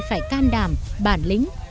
phải can đảm bản lĩnh